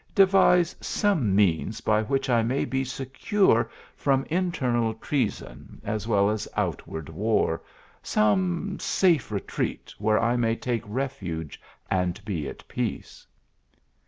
Devise some means by which I may be secure from internal treason, as well as outward war some safe retreat, where I may take refuge and be at peace."